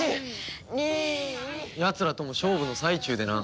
やつらとも勝負の最中でな。